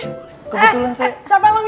eh siapa yang nyuruh duduk disini